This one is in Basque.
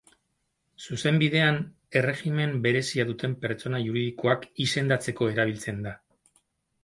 Zuzenbidean erregimen berezia duten pertsona juridikoak izendatzeko erabiltzen da.